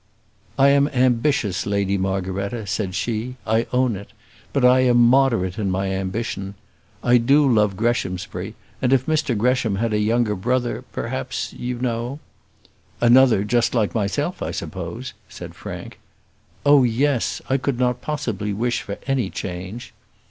"I am ambitious, Lady Margaretta," said she. "I own it; but I am moderate in my ambition. I do love Greshamsbury, and if Mr Gresham had a younger brother, perhaps, you know " "Another just like myself, I suppose," said Frank. "Oh, yes. I could not possibly wish for any change."